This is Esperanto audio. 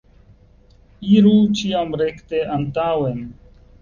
Iru ĉiam rekte antaŭen.